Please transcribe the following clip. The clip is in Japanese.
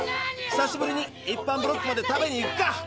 久しぶりに一般ブロックまで食べに行くか！